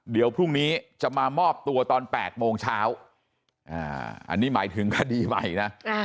เดี๋ยวพรุ่งนี้จะมามอบตัวตอน๘โมงเช้าอันนี้หมายถึงคดีใหม่นะ